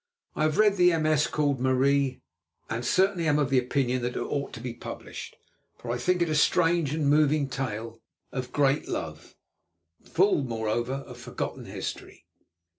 I have read the MS. called 'Marie,' and certainly am of the opinion that it ought to be published, for I think it a strange and moving tale of a great love—full, moreover, of forgotten history.